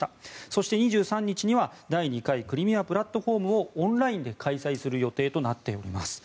そして２３日には、第２回クリミア・プラットフォームをオンラインで開催する予定となっております。